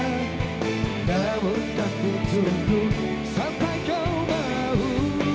namun kan ku tunggu sampai kau mau